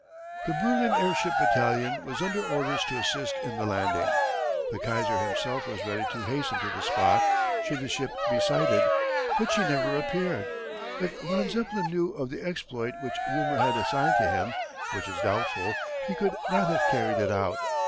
The Berlin Airship Battalion was under orders to assist in the landing. The Kaiser himself was ready to hasten to the spot should the ship be sighted. But she never appeared. If von Zeppelin knew of the exploit which rumour had assigned to him which is doubtful he could not have carried it out.